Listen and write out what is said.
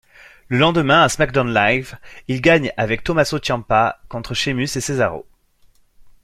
Le lendemain à SmackDown Live, il gagne avec Tommaso Ciampa contre Sheamus et Cesaro.